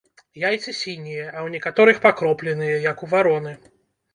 Яйцы сінія, а ў некаторых пакропленыя, як у вароны.